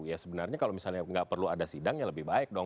ya sebenarnya kalau misalnya nggak perlu ada sidang ya lebih baik dong